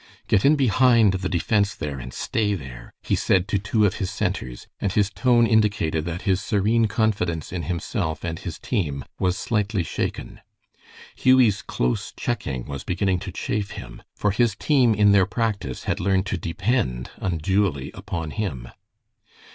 "Get in behind the defense there, and stay there," he said to two of his centers, and his tone indicated that his serene confidence in himself and his team was slightly shaken. Hughie's close checking was beginning to chafe him, for his team in their practice had learned to depend unduly upon him.